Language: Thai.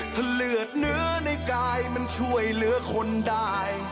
ถ้าเลือดเนื้อในกายมันช่วยเหลือคนได้